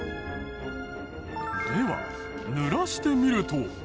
では濡らしてみると。